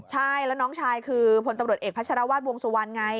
ใช่แล้วน้องชายคือพลตำรวจเอกพัชรวาสวงสุวรรณไง